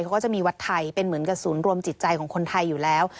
เขาก็จะมีวัดไทยเป็นเหมือนกับศูนย์รวมจิตใจของคนไทยอยู่แล้ว